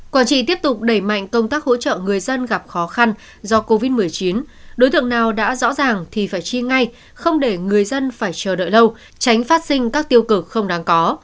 quảng trị tiếp tục đẩy mạnh công tác hỗ trợ người dân gặp khó khăn do covid một mươi chín đối tượng nào đã rõ ràng thì phải chi ngay không để người dân phải chờ đợi lâu tránh phát sinh các tiêu cực không đáng có